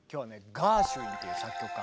ガーシュウィンっていう作曲家。